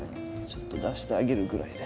ちょっと出してあげるぐらいで。